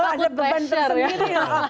ada beban tersendiri